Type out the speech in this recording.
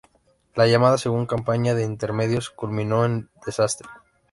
La llamada Segunda Campaña de Intermedios culminó en desastre.